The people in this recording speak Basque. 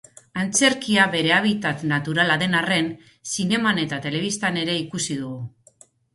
Antzerkia bere habitat naturala den arren, zineman eta telebistan ere ikusi dugu.